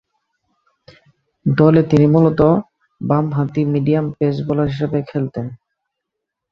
দলে তিনি মূলতঃ বামহাতি মিডিয়াম পেস বোলার হিসেবে খেলতেন।